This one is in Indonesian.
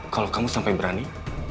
kalau kamu sampai berani